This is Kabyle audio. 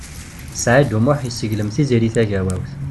Saɛid U Muḥ yesseglem Tiziri Tagawawt.